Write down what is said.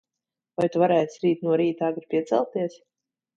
Vai Tu varēsi rīt no rīta agri piecelties?